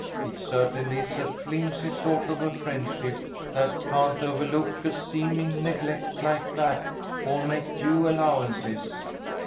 It certainly is a flimsy sort of a friendship that can't overlook a seeming neglect like that or make due allowances.